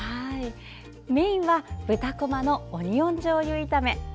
メインは豚こまのオニオンじょうゆ炒め。